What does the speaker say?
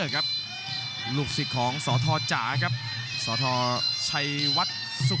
กรุงฝาพัดจินด้า